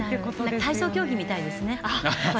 体操競技みたいですね。